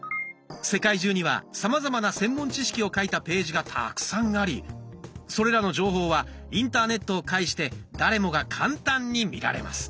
世界中にはさまざまな専門知識を書いたページがたくさんありそれらの情報はインターネットを介して誰もが簡単に見られます。